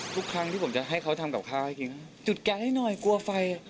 ทุกครั้งที่ผมจะให้เขาทำกับข้าวให้กินจุดแกะให้หน่อยกลัวไฟอ่ะ